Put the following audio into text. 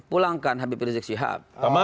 pulangkan habib rizieq syihab